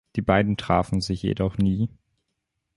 Die beiden trafen sich jedoch nie.